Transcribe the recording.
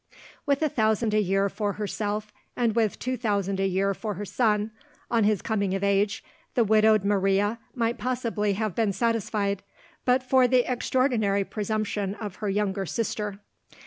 With a thousand a year for herself, and with two thousand a year for her son, on his coming of age, the widowed Maria might possibly have been satisfied but for the extraordinary presumption of her younger sister.